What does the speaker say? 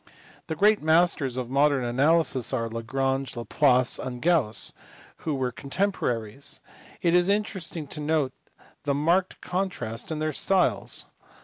The great masters of modern analysis are Lagrange, Laplace, and Gauss, who were contemporaries. It is interesting to note the marked contrast in their styles.